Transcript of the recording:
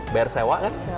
bayar sewa kan